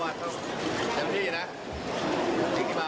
เรารับการ